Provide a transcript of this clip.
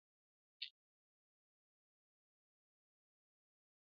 Á tê pfə mwô məŋgywa ndɔ̌ ŋgyə̂ yəcé lâʼ.